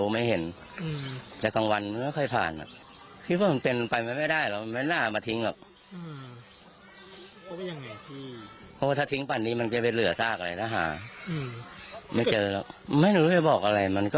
ไม่เจอหรอกไม่รู้ว่าจะบอกอะไร